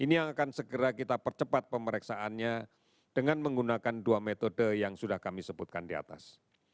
ini yang akan segera kita percepat pemeriksaannya dengan menggunakan dua metode yang sudah kami sebutkan di atas